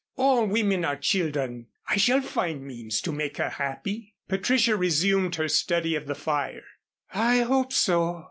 "All women are children. I shall find means to make her happy." Patricia resumed her study of the fire. "I hope so.